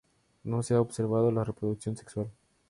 No se ha observado la reproducción sexual.